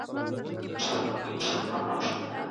ښځې په ډېر خپګان سره له کبابي څخه خپلې سترګې واړولې.